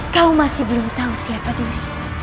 kau masih belum tahu siapa dulu